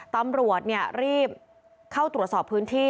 ตำรวจรีบเข้าตรวจสอบพื้นที่